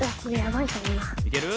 いける？